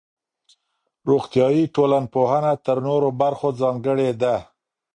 روغتيائي ټولنپوهنه تر نورو برخو ځانګړې ده.